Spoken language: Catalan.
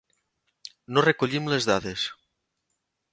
No recollim les dades.